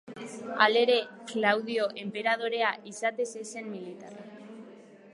Halere, Klaudio enperadorea izatez ez zen militarra.